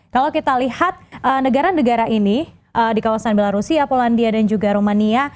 kalau kita lihat negara negara ini di kawasan belarusia polandia dan juga rumania